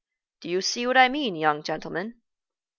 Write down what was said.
Do you see what I mean, young gentleman?"